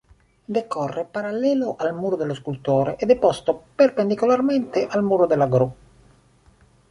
Decorre parallelo al Muro dello Scultore ed è posto perpendicolarmente al Muro della Gru.